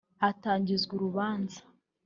Hatangizwa uru rubanza